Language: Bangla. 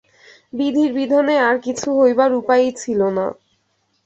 বিধির বিধানে আর কিছু হইবার উপায়ই ছিল না।